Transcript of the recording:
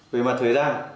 về mặt thuế